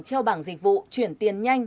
treo bảng dịch vụ chuyển tiền nhanh